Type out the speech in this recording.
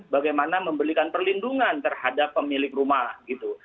bagaimana memberikan perlindungan terhadap pemilik rumah gitu